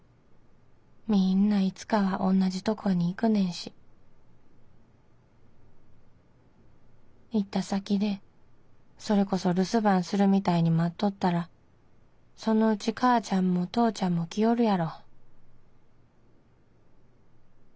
みぃんないつかはおんなじとこへ行くねんし行った先でそれこそ留守番するみたいに待っとったらそのうちかーちゃんもとーちゃんも来よるやろ」。